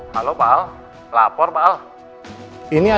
saya bisa pergi dulu ya